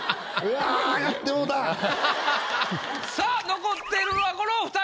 さぁ残っているのはこのお２人。